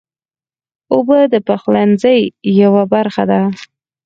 اوبه د پخلنځي یوه برخه ده.